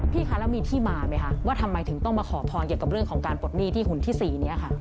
คะแล้วมีที่มาไหมคะว่าทำไมถึงต้องมาขอพรเกี่ยวกับเรื่องของการปลดหนี้ที่หุ่นที่๔นี้ค่ะ